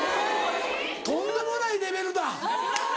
とんでもないレベルだ。